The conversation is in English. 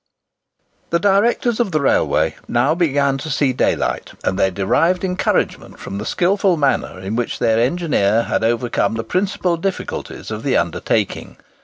The directors of the Railway now began to see daylight; and they derived encouragement from the skilful manner in which their engineer had overcome the principal difficulties of the undertaking.